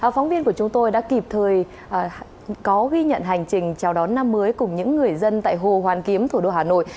phóng viên của chúng tôi đã kịp thời có ghi nhận hành trình chào đón năm mới cùng những người dân tại hồ hoàn kiếm thủ đô hà nội